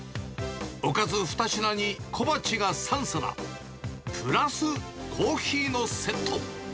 おかず２品に小鉢が３皿、プラスコーヒーのセット。